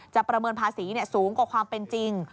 ประเมินภาษีสูงกว่าความเป็นจริง